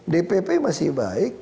dpp masih baik